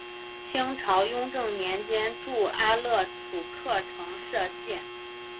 清朝雍正年间筑阿勒楚喀城设县。